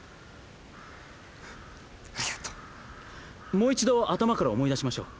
もう一度頭から思い出しましょう。